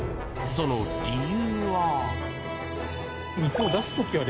その理由は。